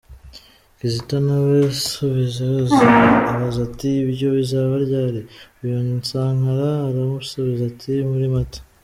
Kizito nawe asubiza abaza ati “Ibyo bizaba ryari?” Uyu Sankara, aramusubiza ati: “Muri Mata.”